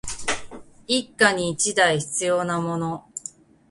一家に一台必要なもの